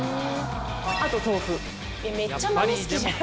あと豆腐。